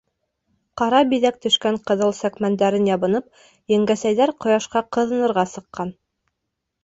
Ҡара биҙәк төшкән ҡыҙыл сәкмәндәрен ябынып, еңгәсәйҙәр ҡояшта ҡыҙынырға сыҡҡан.